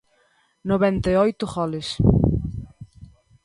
Noventa e oito goles.